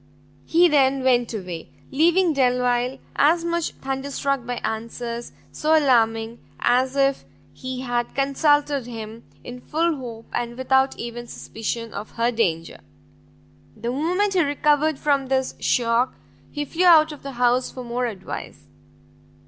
He then went away; leaving Delvile as much thunderstruck by answers so alarming, as if he had consulted him in full hope, and without even suspicion of her danger. The moment he recovered from this shock, he flew out of the house for more advice.